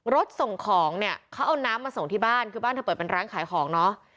รถส่งของเนี่ยเขาเอาน้ำมาส่งที่บ้านคือบ้านเธอเปิดเป็นร้านขายของเนอะ